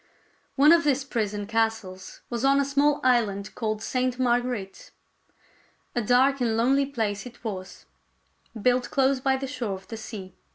One of these prison castles was on a small island called Sainte Marguerite. A dark and lonely place it was, built close by the shore of the sea.